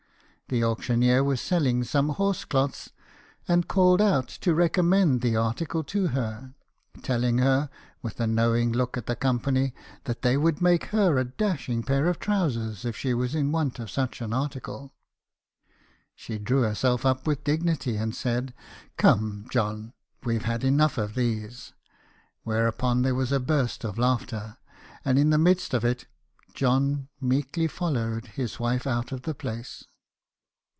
The auctioneer was selling some horse cloths , and called out to recommend the article to her, telling her, with a knowing look at the company, that they would make her a dashing pair of trousers, if she was in want of such an article. She drew herself up with dignity, and said "Come, John, we 've had enough of these." Whereupon there was a burst of laughter, and in the midst of it John meekly followed his wife out of the place.